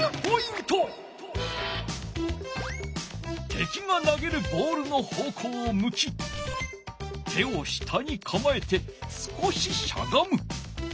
てきがなげるボールの方こうをむき手を下にかまえて少ししゃがむ。